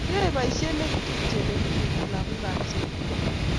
yoe boishet negetupche negineti lagookab sugul